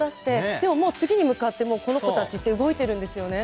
でも、次に向かってこの子たちって動いているんですよね。